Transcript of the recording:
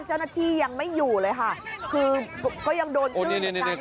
เจ้าหน้าที่ยังไม่อยู่เลยค่ะคือก็ยังโดนอื้อเหมือนกัน